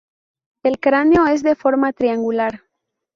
El cráneo es de forma triangular.